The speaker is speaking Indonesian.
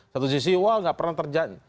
satu sisi wah gak pernah terjanji